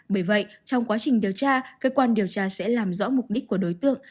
bởi vậy trong quá trình điều tra cơ quan điều tra sẽ làm rõ mục đích của đối tượng